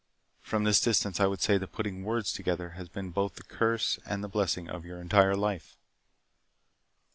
(From this distance, I would say that putting words together has been both the curse and the blessing of your entire life.)